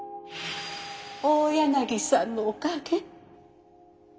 大柳さんのおかげ。